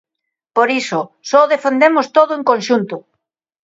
Por iso, só defendemos todo en conxunto.